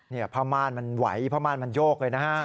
นี่พระม่านมันไหวพระม่านมันโยกเลยนะครับ